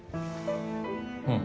うん。